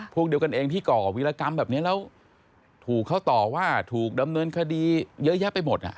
พวกเดียวกันเองที่ก่อวิรกรรมแบบนี้แล้วถูกเขาต่อว่าถูกดำเนินคดีเยอะแยะไปหมดอ่ะ